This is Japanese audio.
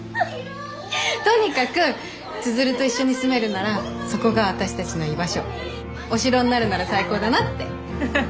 とにかく千鶴と一緒に住めるならそこが私たちの居場所お城になるなら最高だなって。